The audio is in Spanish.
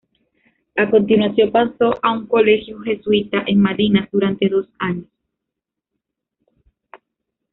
A continuación, pasó a un colegio jesuita en Malinas durante dos años.